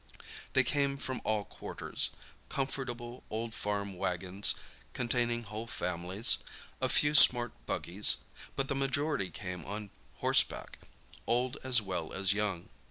They came from all quarters—comfortable old farm wagons, containing whole families; a few smart buggies; but the majority came on horseback, old as well as young.